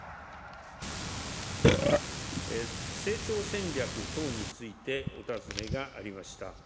成長戦略等についてお尋ねがありました。